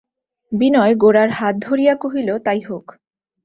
বিনয় গোরার হাত ধরিয়া কহিল, তাই হোক।